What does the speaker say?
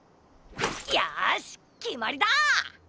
よしきまりだ！